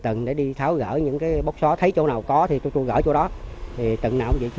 từng để đi tháo gỡ những cái bóc xóa thấy chỗ nào có thì tôi gỡ chỗ đó thì từng nào cũng vậy